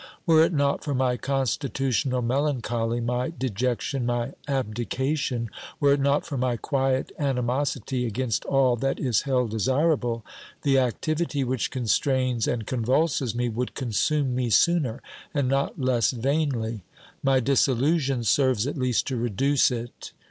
Were it not for my constitutional melancholy, my dejection, my abdication, were it not for my quiet ani mosity against all that is held desirable, the activity which constrains and convulses me would consume me sooner, and not less vainly ; my disillusion serves at least to reduce it.